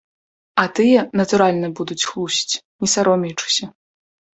А тыя, натуральна, будуць хлусіць, не саромеючыся.